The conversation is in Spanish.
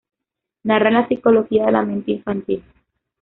Narra en la psicología de la mente infantil.